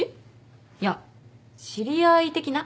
いや知り合い的な。